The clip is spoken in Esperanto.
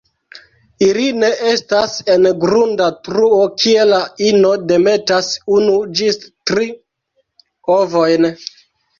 Ili nestas en grunda truo kie la ino demetas unu ĝis tri ovojn.